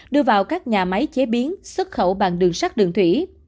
đưa vào các nhà máy chế biến xuất khẩu bằng đường sắt đường thủy